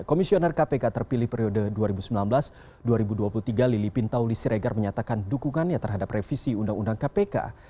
komisioner kpk terpilih periode dua ribu sembilan belas dua ribu dua puluh tiga lili pintauli siregar menyatakan dukungannya terhadap revisi undang undang kpk